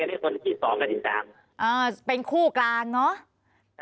อันนี้คนที่สองกับคนที่สามเป็นคู่กลางเนาะ